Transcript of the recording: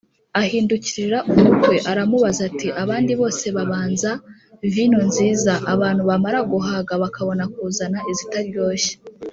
. Ahindukirira umukwe, aramubaza ati, “Abandi bose babanza vino nziza, abantu bamara guhaga bakabona kuzana izitaryoshye,